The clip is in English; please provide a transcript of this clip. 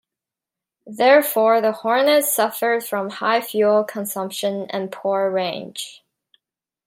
Therefore, the Hornet suffered from high fuel consumption and poor range.